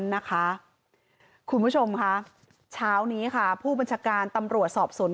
นะคะคุณผู้ชมค่ะเช้านี้ค่ะผู้บัญชาการตำรวจสอบสวน